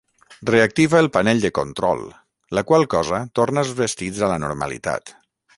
Reactiva el panell de control, la qual cosa torna els vestits a la normalitat.